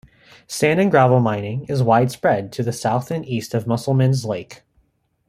Sand and gravel mining is widespread to the south and east of Musselman's Lake.